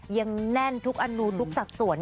ยังแน่นทุกอนุทุกสัดส่วน